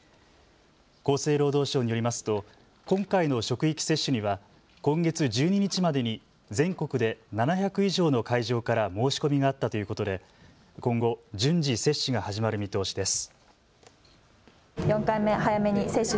厚生労働省によりますと今回の職域接種には今月１２日までに全国で７００以上の会場から申し込みがあったということで今後、順次、接種が始まる見通しです。